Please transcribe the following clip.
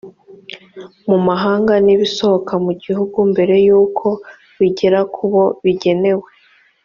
mu mahanga n ibisohoka mu gihugu mbere y uko bigera ku bo bigenewe